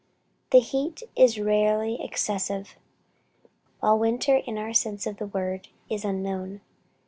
The heat is rarely excessive; while winter in our sense of the word, is unknown.